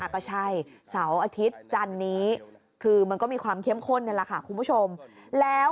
ก็ใช่เสาร์อาทิตย์จันทร์นี้คือมันก็มีความเค็มข้นในราคาคุณผู้ชมแล้ว